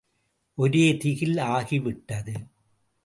ஒரே திகில் ஆகிவிட்டது.